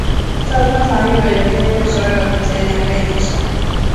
这通常意味着并非所有的节点被影响。